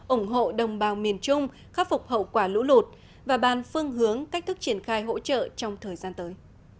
ủng hộ đồng bào miền trung khắc phục hậu quả lũ lụt và bàn phương hướng cách thức triển khai hỗ trợ trong thời gian tới